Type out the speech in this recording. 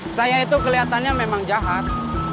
saya itu kelihatannya memang jahat